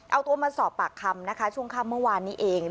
เอาตัวมาสอบปากคำนะคะช่วงค่ำเมื่อวานนี้เอง